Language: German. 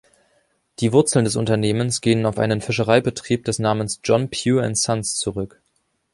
Die Wurzeln des Unternehmens gehen auf einen Fischereibetrieb des Namens John Pew and Sons zurück.